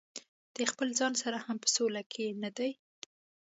د خپل ځان سره هم په سوله کې نه دي.